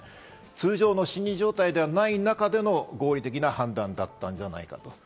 通常の心理状態ではない中での合理的な判断であったのではないかと。